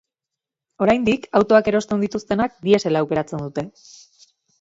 Oraindik autoak erosten dituztenak diesela aukeratzen dute.